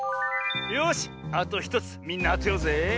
よしあと１つみんなあてようぜ。